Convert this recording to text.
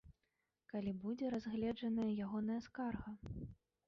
Калі будзе разгледжаная ягоная скарга?